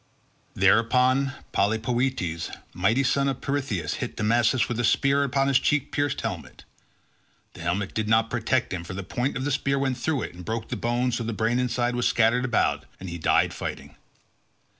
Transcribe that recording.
Thereon Polypoetes, mighty son of Pirithous, hit Damasus with a spear upon his cheek pierced helmet. The helmet did not protect him, for the point of the spear went through it, and broke the bone, so that the brain inside was scattered about, and he died fighting.